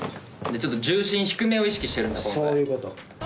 ちょっと重心低めを意識してそういうこと。